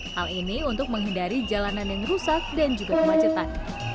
hal ini untuk menghindari jalanan yang rusak dan juga kemacetan